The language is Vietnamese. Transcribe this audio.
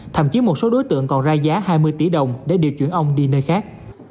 thậm chí một số đối tượng còn ra giá hai mươi tỷ đồng để điều chuyển ông đi nơi khác